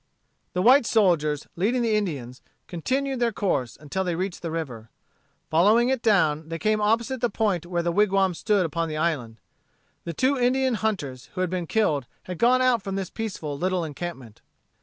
The white soldiers, leading the Indians, continued their course until they reached the river. Following it down, they came opposite the point where the wigwams stood upon the island. The two Indian hunters who had been killed had gone out from this peaceful little encampment.